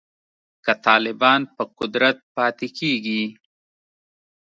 که طالبان په قدرت پاتې کیږي